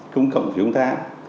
công cộng của chúng ta